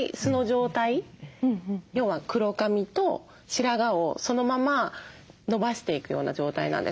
要は黒髪と白髪をそのまま伸ばしていくような状態なんですよ。